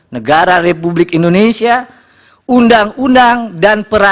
negara republik indonesia undang undang dan peraturan